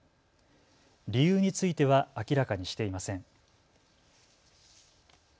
理由については明らかにしていません。